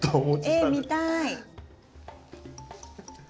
え見たい！